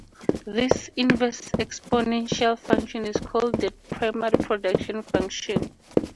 This inverse exponential function is called the primary production function.